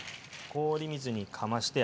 氷水にかまして。